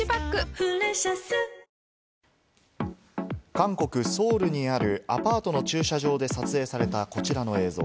韓国・ソウルにあるアパートの駐車場で撮影されたこちらの映像。